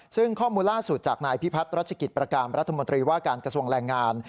ซึ่งข้อมูลล่าสุดจากนายพิพัฒน์รัชกิจประการรัฐมนตรีว่าการกระทรวงแรงงาน